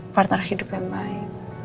partner kehidupan yang baik